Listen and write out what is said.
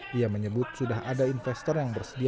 dia menyebut sudah ada investor yang bersedia